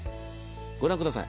ご覧ください。